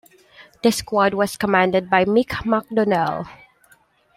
The Squad was commanded by Mick McDonnell.